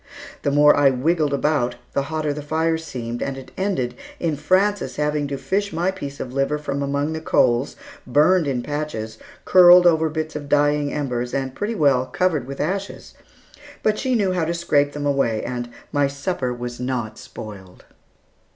The more I wiggled about, the hotter the fire seemed, and it ended in Frances having to fish my piece of liver from among the coals, burned in patches, curled over bits of dying embers, and pretty well covered with ashes, but she knew how to scrape them away, and my supper was not spoiled.